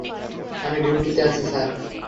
আমি ডিউটিতে আছি, স্যার।